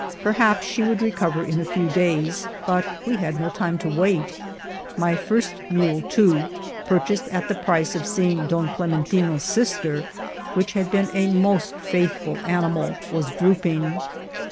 Perhaps she would recover in a few days, but we had no time to wait. My first mule, too, purchased as the price of seeing Don Clementino's sister, which had been a most faithful an imal, was drooping.